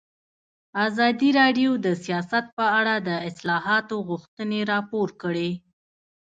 ازادي راډیو د سیاست په اړه د اصلاحاتو غوښتنې راپور کړې.